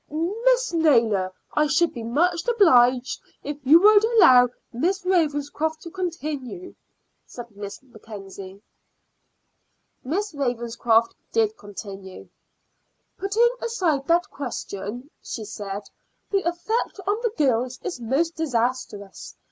"Mrs. Naylor, I should be much obliged if you would allow Miss Ravenscroft to continue," said Miss Mackenzie. Miss Ravenscroft did continue. "Putting aside that question," she said, "the effect on the girls is most disastrous.